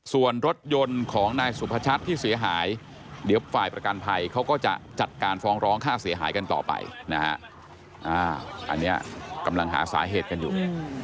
ส่วนรถยนต์ของนายสุพชัดที่เสียหายเดี๋ยวฝ่ายประกันภัยเขาก็จะจัดการฟ้องร้องค่าเสียหายกันต่อไปนะฮะอันนี้กำลังหาสาเหตุกันอยู่